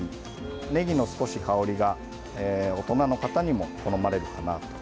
ねぎの香りが大人の方にも好まれるかなと。